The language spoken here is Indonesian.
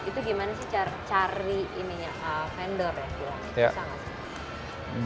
itu gimana sih cari vendor ya bilangnya